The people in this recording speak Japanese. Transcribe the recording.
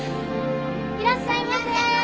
いらっしゃいませ。